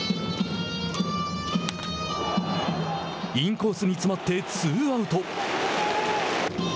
インコースに詰まってツーアウト。